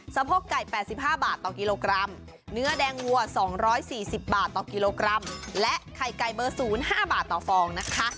สะโพกไก่๘๕บาทต่อกิโลกรัมเนื้อแดงวัว๒๔๐บาทต่อกิโลกรัมและไข่ไก่เบอร์๐๕บาทต่อฟองนะคะ